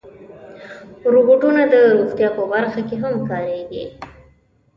روبوټونه د روغتیا په برخه کې هم کارېږي.